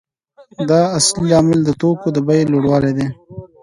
دا اصلي لامل د توکو د بیې لوړوالی دی